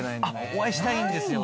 お会いしたいんですよね。